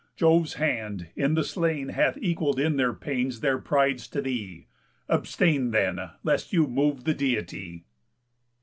Jove's hand in the slain Hath equall'd in their pains their prides to thee. Abstain, then, lest you move the Deity."